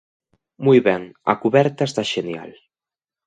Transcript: Moi ben, a cuberta está xenial.